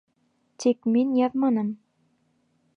Тик мин яҙманым.